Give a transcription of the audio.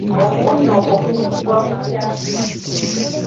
Okuwunya okwo kuyitibwa kutya?